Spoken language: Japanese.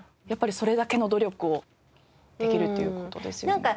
やっぱりそれだけの努力をできるっていう事ですよね。